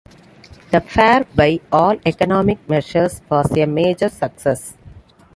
The fair, by all economic measures, was a major success.